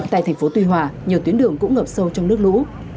tại thành phố tuy hòa nhiều tuyến đường cũng ngập sâu trong nước lũ